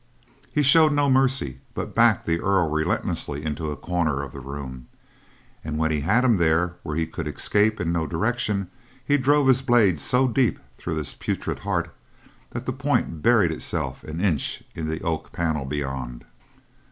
He showed no mercy, but backed the Earl relentlessly into a corner of the room, and when he had him there where he could escape in no direction, he drove his blade so deep through his putrid heart that the point buried itself an inch in the oak panel beyond.